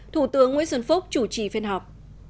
thủ tướng nguyễn xuân phúc chủ trì phiên họp